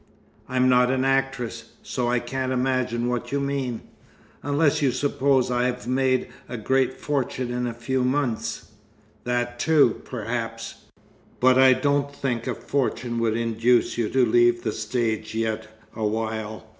"I'm not an actress, so I can't imagine what you mean unless you suppose I've made a great fortune in a few months?" "That too, perhaps but I don't think a fortune would induce you to leave the stage yet a while.